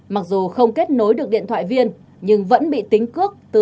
mặc dù không kết nối được điện thoại viên nhưng vẫn bị tính cước